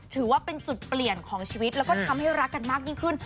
ถือว่าเป็นจุดเปลี่ยนของชีวิตแล้วก็ทำให้รักกันมากยิ่งขึ้น